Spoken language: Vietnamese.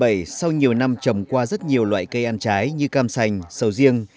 năm hai nghìn bảy sau nhiều năm trầm qua rất nhiều loại cây ăn trái như cam sành sầu riêng